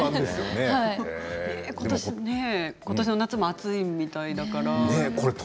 ことしの夏も暑いみたいだから。